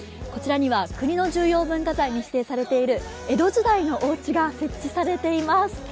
こちらには国の重要文化財に指定されている江戸時代のおうちが設置されています。